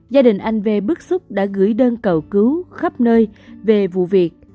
gia đình anh v bức xúc đã gửi đơn cầu cứu khắp nơi về vụ việc